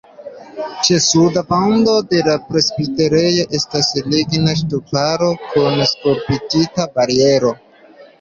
Ĉe suda vando de la presbiterejo estas ligna ŝtuparo kun skulptita bariero.